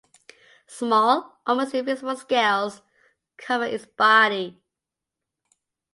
Small, almost invisible scales cover its body.